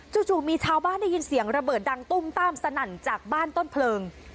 จู่มีชาวบ้านได้ยินเสียงระเบิดดังตุ้มต้ามสนั่นจากบ้านต้นเพลิง